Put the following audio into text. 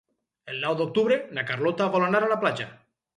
El nou d'octubre na Carlota vol anar a la platja.